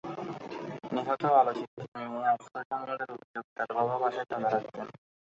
নিহত আলোচিত্রীর মেয়ে আফরোজ আহমেদের অভিযোগ, তাঁর বাবা বাসায় টাকা রাখতেন।